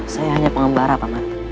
saya hanya pengembara paman